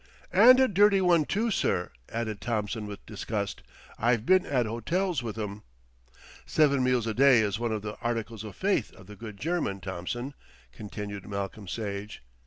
"And a dirty one, too, sir," added Thompson with disgust. "I've been at hotels with 'em." "Seven meals a day is one of the articles of faith of the good German, Thompson," continued Malcolm Sage.